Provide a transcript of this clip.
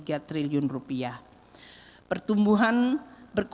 daya saing efisiensi sistem logistik